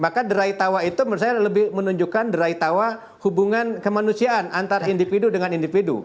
maka derai tawa itu menurut saya lebih menunjukkan derai tawa hubungan kemanusiaan antar individu dengan individu